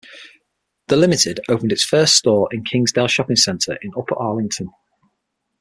The Limited opened its first store in the Kingsdale Shopping Center in Upper Arlington.